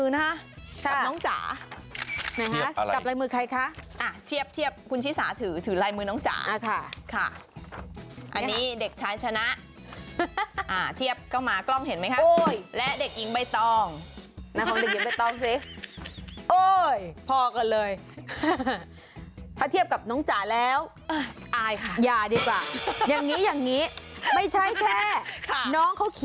นี่เขียนสวยมากเลยนะ